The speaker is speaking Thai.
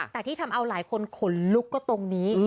แต่ที่ทำเอาหลายคนขนลุกก็ตรงนี้